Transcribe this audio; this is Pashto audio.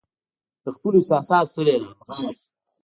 له خپلو احساساتو سره يې رانغاړي.